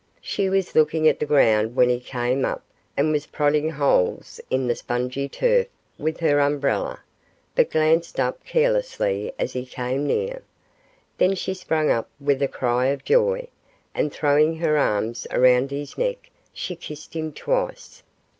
She was looking at the ground when he came up, and was prodding holes in the spongy turf with her umbrella, but glanced up carelessly as he came near. Then she sprang up with a cry of joy, and throwing her arms around his neck, she kissed him twice.